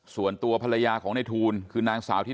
ส่วนตัวภรรยาของในทูลคือนางสาวที่